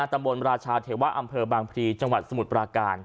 บรรราชาเทวะอำเภอบางพลีจังหวัดสมุทรปราการ